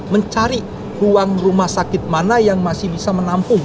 mencari ruang rumah sakit mana yang masih bisa menampung